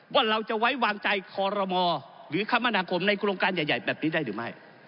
ว่าเราจะไว้วางใจคอรมอหรือคมนาคมในโครงการใหญ่แบบนี้ได้หรือไม่